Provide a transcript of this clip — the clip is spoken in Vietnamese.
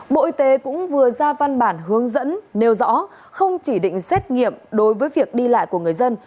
bộ y tế cũng vừa ra văn bản hướng dẫn nêu rõ không chỉ định xét nghiệm đối với việc đi lại của người dân